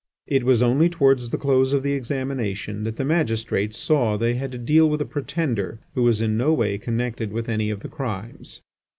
It was only towards the close of the examination that the magistrates saw they had to deal with a pretender who was in no way connected with any of the crimes.